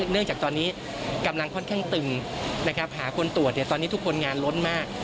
เนื่องจากตอนนี้กำลังค่อนข้างตึงหาคนตรวจตอนนี้ทุกคนงานล้นมาก